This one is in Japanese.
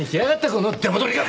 この出戻り亀！